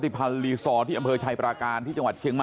ชาวบ้านในพื้นที่บอกว่าปกติผู้ตายเขาก็อยู่กับสามีแล้วก็ลูกสองคนนะฮะ